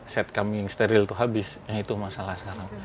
set kami yang steril itu habis ya itu masalah sekarang